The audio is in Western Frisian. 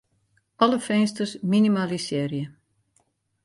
Alle finsters minimalisearje.